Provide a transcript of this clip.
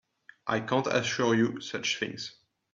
I can't assure you such things.